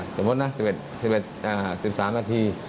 สมมุตินะ๑๑๑๓นาที